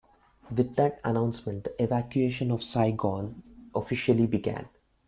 With that announcement the evacuation of Saigon officially began.